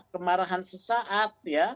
kemarahan sesaat ya